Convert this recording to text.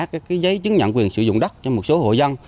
các giấy chứng nhận quyền sử dụng đất cho một số hộ dân